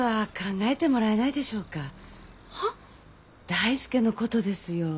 大介のことですよ。